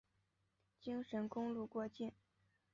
京沈公路过境。